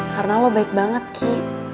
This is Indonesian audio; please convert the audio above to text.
karena lo baik banget ki